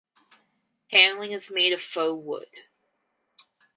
Paneling is made of faux wood.